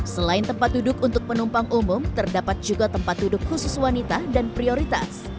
selain tempat duduk untuk penumpang umum terdapat juga tempat duduk khusus wanita dan prioritas